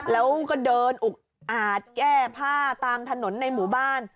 แล้วก็เดินอุกอาจแก้ผ้าตามถนนในหมู่บ้าน